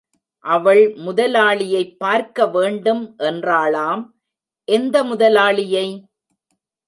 அவள் முதலளியைப் பார்க்க வேண்டும் என்றாளாம், எந்த முதலாளியை?